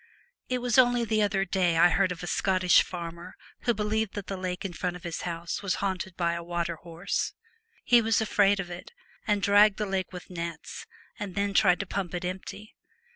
It was only the other day I heard of a Scottish farmer who believed that the lake in front of his house was haunted by a water horse. He was afraid of it, and dragged the lake with nets, and then tried to pump it empty.